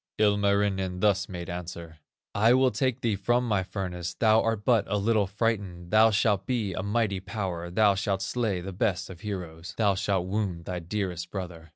"Ilmarinen thus made answer: 'I will take thee from my furnace, Thou art but a little frightened, Thou shalt be a mighty power, Thou shalt slay the best of heroes, Thou shalt wound thy dearest brother.